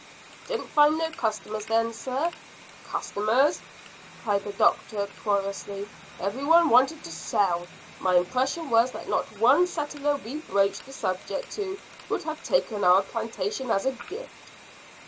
"Didn't find no customers then, sir?" "Customers?" cried the doctor querulously. "Every one wanted to sell. My impression was that not one settler we broached the subject to would have taken our plantation as a gift."